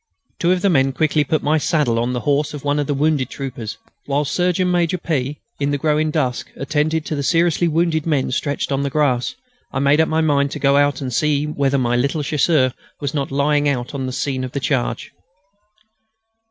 Two of the men quickly put my saddle on the horse of one of the wounded troopers. Whilst Surgeon Major P., in the growing dusk, attended to the seriously wounded men stretched on the grass, I made up my mind to go out and see whether my little Chasseur was not still lying out on the scene of the charge.